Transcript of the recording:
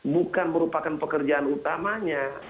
bukan merupakan pekerjaan utamanya